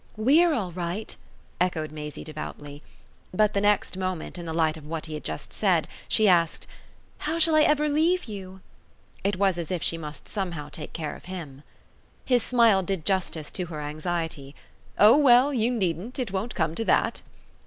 "WE'RE all right!" Maisie echoed devoutly. But the next moment, in the light of what he had just said, she asked: "How shall I ever leave you?" It was as if she must somehow take care of him. His smile did justice to her anxiety. "Oh well, you needn't! It won't come to that."